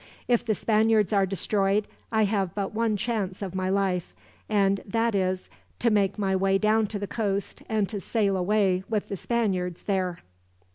If the Spaniards are destroyed, I have but one chance of my life: and that is, to make my way down to the coast, and to sail away with the Spaniards there."